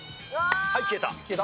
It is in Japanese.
はい、消えた。